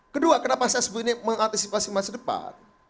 kedua kenapa saya sebut ini mengantisipasi masa depan